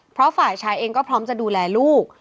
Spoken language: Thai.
เพราะฝ่ายชายเองก็พร้อมจะดูแลลูก